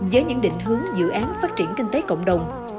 với những định hướng dự án phát triển kinh tế cộng đồng